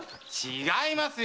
違いますよぉ！